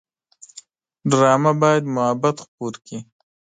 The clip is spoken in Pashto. ډرامه باید محبت خپور کړي